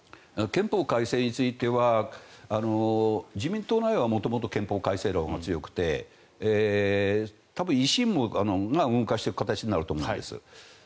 憲法改正については自民党内は元々憲法改正論が強くて多分、維新が動かしていく形になると思うんです。